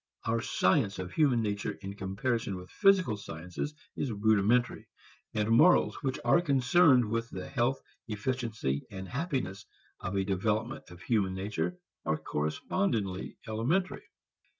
Our science of human nature in comparison with physical sciences is rudimentary, and morals which are concerned with the health, efficiency and happiness of a development of human nature are correspondingly elementary.